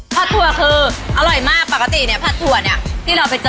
ถั่วคืออร่อยมากปกติเนี่ยผัดถั่วเนี่ยที่เราไปเจอ